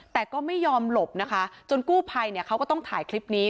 แต่ก็ไม่ยอมหลบนะคะจนกู้ภัยเนี่ยเขาก็ต้องถ่ายคลิปนี้